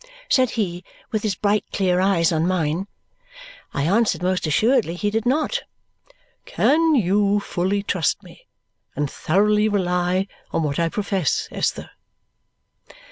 said he with his bright clear eyes on mine. I answered, most assuredly he did not. "Can you fully trust me, and thoroughly rely on what I profess, Esther?"